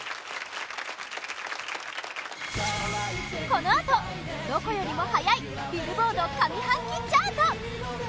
このあと、どこよりも早いビルボード上半期チャート！